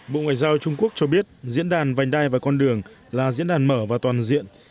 bộ ngoại giao trung quốc cho biết diễn đàn vành đai và con đường là diễn đàn mở và toàn diện